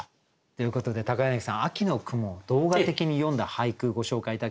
ということで柳さん秋の雲を動画的に詠んだ俳句ご紹介頂けますでしょうか。